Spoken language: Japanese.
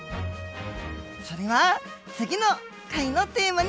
それは次の回のテーマになります。